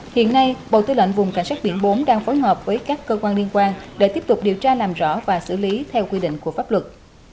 hiện nay bộ tư lệnh vùng cảnh sát biển bốn đang phối hợp với các cơ quan liên quan để tiếp tục điều tra làm rõ và xử lý theo quy định của pháp luật